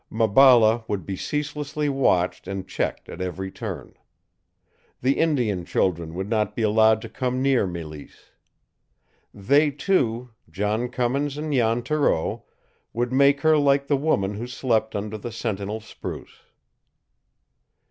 Maballa would be ceaselessly watched and checked at every turn. The Indian children would not be allowed to come near Mélisse. They two John Cummins and Jan Thoreau would make her like the woman who slept under the sentinel spruce.